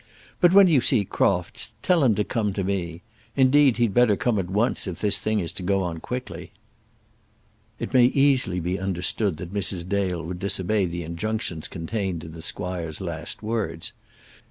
But when you see Crofts, tell him to come to me. Indeed, he'd better come at once, if this thing is to go on quickly." It may easily be understood that Mrs. Dale would disobey the injunctions contained in the squire's last words.